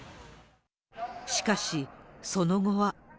しかし、その後は。